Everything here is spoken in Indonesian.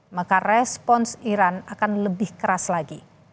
maka respons iran akan lebih keras lagi